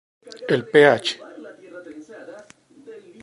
El ph.